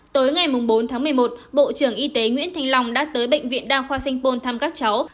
tối ngày bốn tháng một mươi một bộ trưởng y tế nguyễn thanh long đã tới bệnh viện đa khoa sanh pôn thăm các cháu